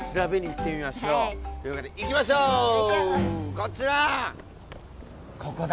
こっちだ！